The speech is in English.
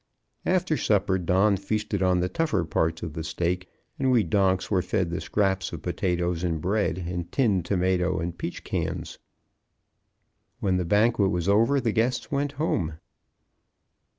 After supper Don feasted on the tougher parts of the steak, and we donks were fed the scraps of potatoes and bread and tin tomato and peach cans. When the banquet was over the guests went home.